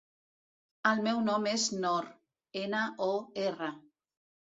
El meu nom és Nor: ena, o, erra.